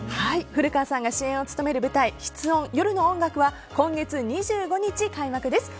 古川さんが主演を務める舞台「室温夜の音楽」は今月２５日開幕です。